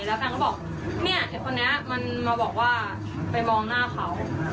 แล้วแฟนก็บอกเนี่ยไอ้คนนี้มันมาบอกว่าไปมองหน้าเขา